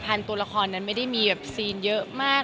ช่องไหนที่บทประพันธ์ตัวละครนั้นไม่ได้มีเซีนเยอะมาก